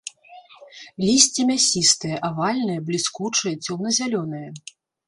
Лісце мясістае, авальнае, бліскучае, цёмна-зялёнае.